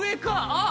あっ！